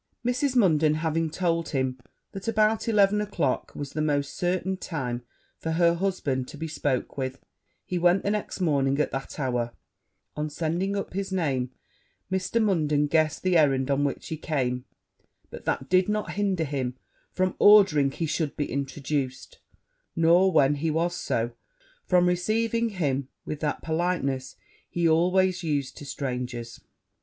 Mrs. Munden having told him that about eleven o'clock was the most certain time for her husband to be spoke with, he went the next morning at that hour: on sending up his name, Mr. Munden guessed the errand on which he came; but that did not hinder him from ordering he should be introduced, nor, when he was so, from receiving him with that politeness he always used to strangers.